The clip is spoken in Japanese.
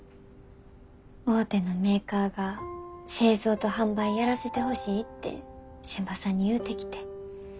大手のメーカーが製造と販売やらせてほしいて仙波さんに言うてきて